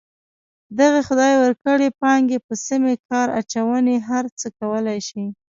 دغې خدای ورکړې پانګې په سمې کار اچونې هر څه کولی شي.